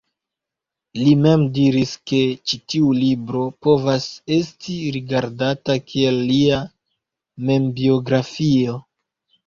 Li mem diris ke ĉi tiu libro povas esti rigardata kiel lia membiografio.